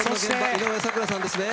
井上咲楽さんですね。